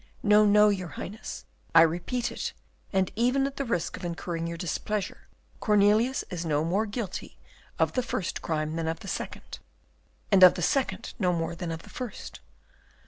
No, no, your Highness, I repeat it, and even at the risk of incurring your displeasure, Cornelius is no more guilty of the first crime than of the second; and of the second no more than of the first.